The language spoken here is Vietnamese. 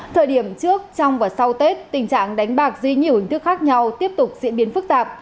thời điểm trước trong và sau tết tình trạng đánh bạc dưới nhiều hình thức khác nhau tiếp tục diễn biến phức tạp